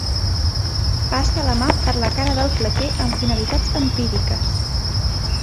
Passa la mà per la cara del flequer amb finalitats empíriques.